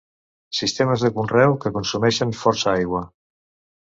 Sistemes de conreu que consumeixen força aigua.